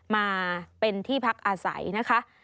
มาเป็นที่พักอาศัยนะคะ